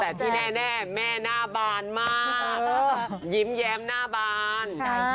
แต่ที่แน่แม่หน้าบานมากยิ้มแย้มหน้าบาน